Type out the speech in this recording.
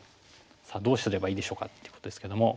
さあどうすればいいでしょうかっていうことですけども。